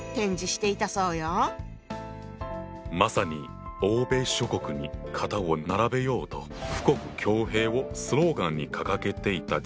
まさに欧米諸国に肩を並べようと富国強兵をスローガンに掲げていた時代だよな。